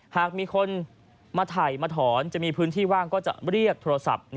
หากมีคนมาถ่ายมาถอนจะมีพื้นที่ว่างก็จะเรียกโทรศัพท์